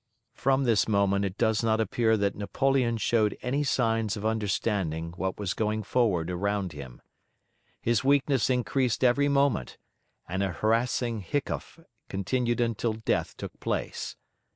From this moment it does not appear that Napoleon showed any signs of understanding what was going forward around him. His weakness increased every moment, and a harassing hiccough continued until death took place.